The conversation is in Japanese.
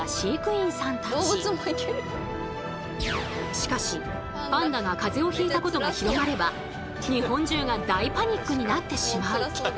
しかしパンダがかぜをひいたことが広まれば日本中が大パニックになってしまう。